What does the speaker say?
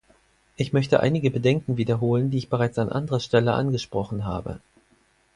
Ich möchte einige Bedenken wiederholen, die ich bereits an anderer Stelle angesprochen habe.